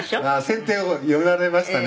「先手を読まれましたね」